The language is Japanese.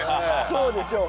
そうでしょう。